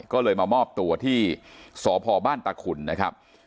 ก็เลยมามอบตัวที่สพบ้านตะขุนนะครับ